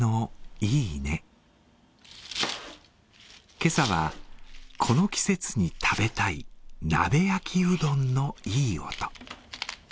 今朝は、この季節に食べたい鍋焼きうどんのいい音。